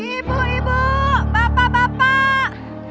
ibu ibu bapak bapak